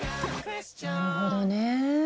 なるほどね。